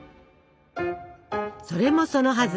それもそのはず